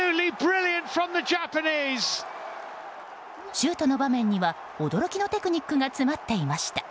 シュートの場面には、驚きのテクニックが詰まっていました。